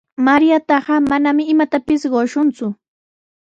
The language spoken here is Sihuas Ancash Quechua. Mariataqa manami imapis qukunku.